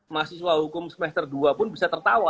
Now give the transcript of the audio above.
mahasiswa hukum semester dua pun bisa tertawa